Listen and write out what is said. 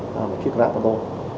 một chiếc rạp ô tô